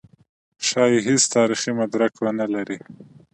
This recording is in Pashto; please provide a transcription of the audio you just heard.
ښايي هېڅ تاریخي مدرک ونه لري.